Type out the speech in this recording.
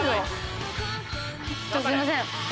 ・すいません。